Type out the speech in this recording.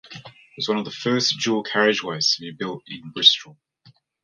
It was one of the first dual carriageways to be built in Bristol.